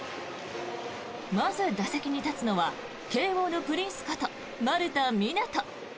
まず打席に立つのは慶応のプリンスこと丸田湊斗。